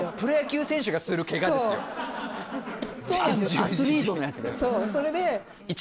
アスリートのやつですよ。